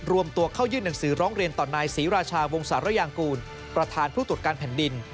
รวมตัวเข้ายื่นหนังสือร้องเรียนต่อนายศรีราชาวงศาลยางกูลประธานผู้ตรวจการแผ่นดิน